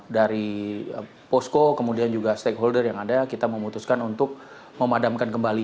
dari posko kemudian juga stakeholder yang ada kita memutuskan untuk memadamkan kembali